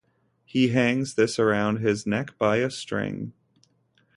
He hangs this around his neck by a string.